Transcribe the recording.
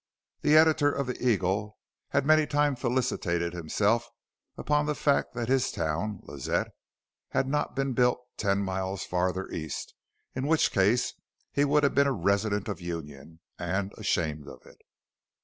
The editor of the Eagle had many times felicitated himself upon the fact that his town (Lazette) had not been built ten miles farther east in which case he would have been a resident of Union and ashamed of it.